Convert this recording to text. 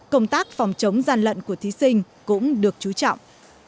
công tác phòng chống gian lận của thí sinh cũng được chú trọng